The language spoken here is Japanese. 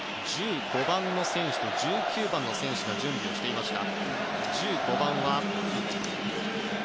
１５番の選手、１９番の選手が準備していました。